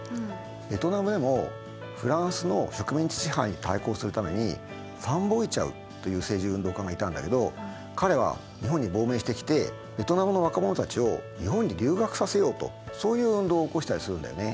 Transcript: ベトナムでもフランスの植民地支配に対抗するためにファン・ボイ・チャウという政治運動家がいたんだけど彼は日本に亡命してきてベトナムの若者たちを日本に留学させようとそういう運動を起こしたりするんだよね。